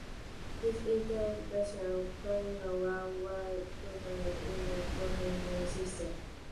His interpretations of criminal law were pivotal in the development of Fiji's justice system.